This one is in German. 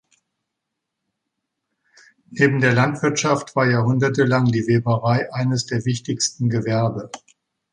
Neben der Landwirtschaft war jahrhundertelang die Weberei eines der wichtigsten Gewerbe.